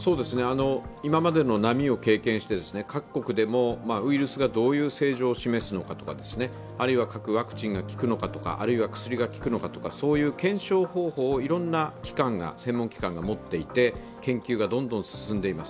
今までの波を経験して各国でもウイルスがどういうことを示すのかあるいは各ワクチンが効くのとかと、薬が効くのかとか、そういう検証方法をいろんな専門機関が持っていて研究がどんどん進んでいます。